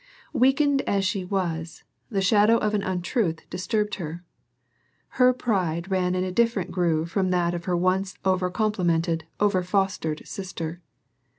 Weakened as she was, the shadow of an untruth disturbed her. Her pride ran in a different groove from that of her once over complimented, over fostered sister.